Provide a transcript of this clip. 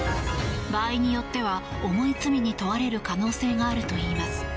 場合によっては重い罪に問われる可能性があるといいます。